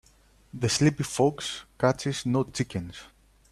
The sleepy fox catches no chickens.